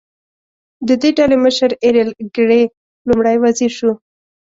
د دې ډلې مشر ایرل ګرې لومړی وزیر شو.